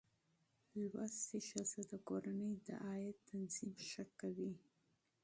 زده کړه ښځه د کورنۍ د عاید تنظیم ښه کوي.